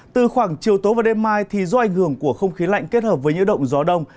từ khoảng chiều tối và đêm mai do ảnh hưởng của không khí lạnh kết hợp với nhiễu động gió đông